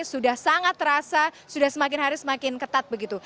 sudah sangat terasa sudah semakin hari semakin ketat begitu